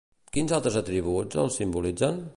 Quins altres atributs el simbolitzen?